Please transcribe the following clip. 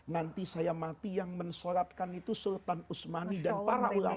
nanti saya mati yang mensolatkan itu sultan usmani dan para ulama